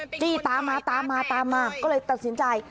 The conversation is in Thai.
จี้ตามมาตามมาตามมาก็เลยตัดสินใจ